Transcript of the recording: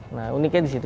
nah uniknya di situ